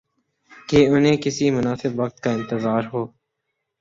کہ انہیں کسی مناسب وقت کا انتظار ہو۔